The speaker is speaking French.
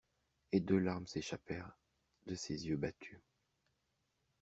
Et deux larmes s'échappèrent de ses yeux battus.